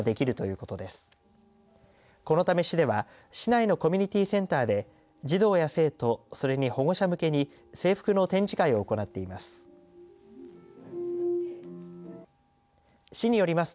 このため、市では市内のコミュニティセンターで児童や生徒、それに保護者向けに制服の展示会を行っています。